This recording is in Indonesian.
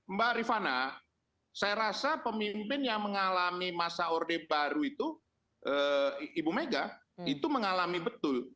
mbak rifana saya rasa pemimpin yang mengalami masa orde baru itu ibu mega itu mengalami betul